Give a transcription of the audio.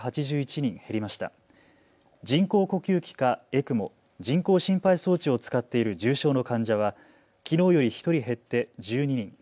人工呼吸器かＥＣＭＯ・人工心肺装置を使っている重症の患者はきのうより１人減って１２人。